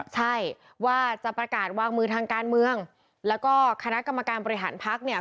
ใช่ว่าจะประกาศวางมือทางการเมืองแล้วก็คณะกรรมการบริหารพักเนี่ย